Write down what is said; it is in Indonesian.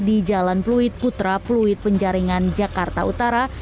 di jalan pluit putra pluit penjaringan jakarta utara